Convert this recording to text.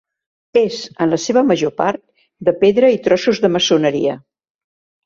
És, en la seva major part, de pedra i trossos de maçoneria.